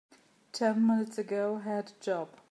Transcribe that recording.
Ten minutes ago I had a job.